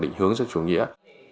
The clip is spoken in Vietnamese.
định hướng cho chủ nghĩa